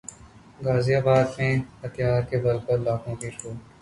गाजियाबाद में हथियार के बल पर लाखों की लूट